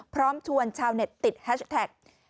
พร้อมชวนชาวเน็ตติดแฮชแท็ก